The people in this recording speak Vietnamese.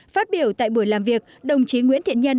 phát biểu tại buổi làm việc đồng chí nguyễn thiện nhân